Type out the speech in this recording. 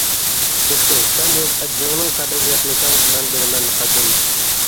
بوپتۇ سەن ئۆز ئەجرىڭنىڭ قەدرىگە يەتمىسەڭ مەن بىلىمەن قەدرىنى.